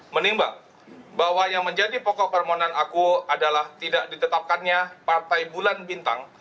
menimbang bahwa yang menjadi pokok permohonan akuo adalah tidak ditetapkannya partai bulan bintang